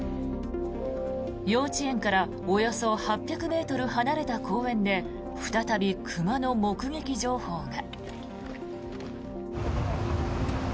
幼稚園からおよそ８００ｍ離れた公園で再び熊の目撃情報が。